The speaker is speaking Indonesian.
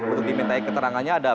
untuk diminta keterangannya